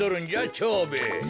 蝶兵衛。